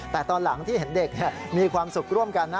แต่ตอนหลังที่เห็นเด็กมีความสุขร่วมกันนะ